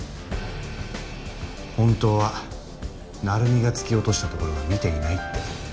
本当は成海が突き落としたところは見ていないって。